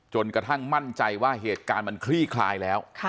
จนกระทั่งมั่นใจว่าเหตุการณ์มันคลี่คลายแล้ว